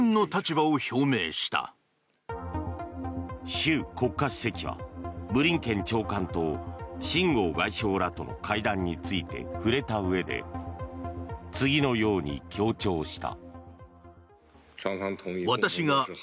習国家主席はブリンケン長官と秦剛外相らとの会談について触れたうえで次のように強調した。